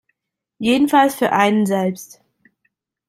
Jedenfalls für einen selbst.